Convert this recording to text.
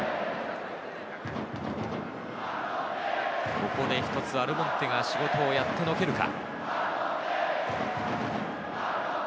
ここで一つアルモンテが仕事をやってのけるか。